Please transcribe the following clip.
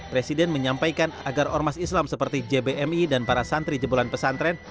presiden menyampaikan agar ormas islam seperti jbmi dan para santri jebolan pesantren